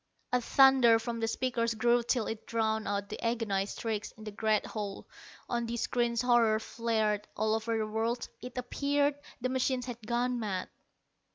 A thunder from the speakers grew till it drowned out the agonized shrieks in the great hall. On the screens horror flared. All over the world, it appeared, the machines had gone mad.